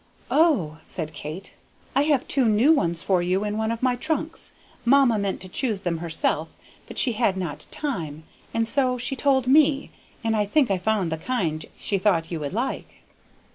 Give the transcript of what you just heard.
"O," said Kate, "I have two new ones for you in one of my trunks! Mamma meant to choose them herself, but she had not time, and so she told me, and I think I found the kind she thought you would like."